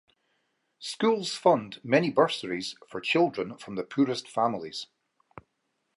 Schools fund many bursaries for children from the poorest families.